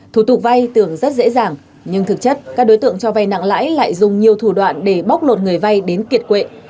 thủ tục vai tưởng rất dễ dàng nhưng thực chất các đối tượng cho vai nặng lãi lại dùng nhiều thủ đoạn để bóc lột người vai đến kiệt quệ